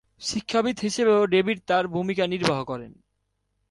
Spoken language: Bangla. শিক্ষাবিদ হিসেবেও ডেভিড তাঁর ভূমিকা নির্বাহ করেন।